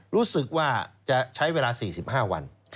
รู้สึกว่าจะใช้เวลา๔๕วัน